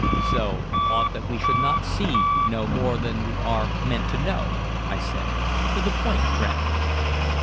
"See aught that we should not see, know more than we are meant to know?" I said. "To the point, friend."